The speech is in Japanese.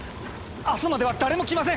あすまでは誰も来ません！